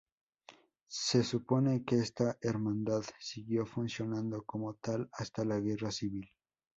Se supone que esta hermandad siguió funcionando como tal hasta la guerra civil.